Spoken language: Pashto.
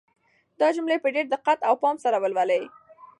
دا جملې په ډېر دقت او پام سره ولولئ.